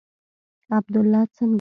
عبدالله څنگه.